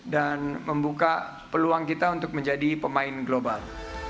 dan membuka peluang kita untuk menjadi pemain global